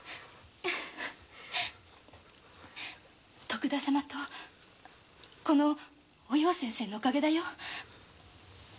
徳田様とこのお葉先生のお陰だよ